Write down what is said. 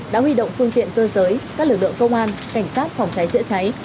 đã huy động phương tiện cơ giới các lực lượng công an cảnh sát phòng cháy chữa cháy